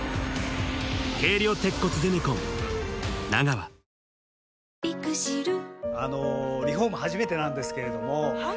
はいそれはあのリフォーム初めてなんですけれどもはい。